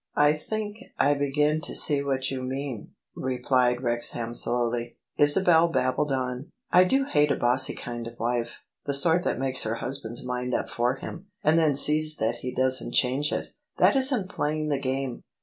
" I think I begin to see what you mean," replied Wrex ham slowly. Isabel babbled on: "I do hate a bossy kind of wife, the sort that makes her husband's mind up for him, and then sees that he doesn't change it. That isn't playing the game.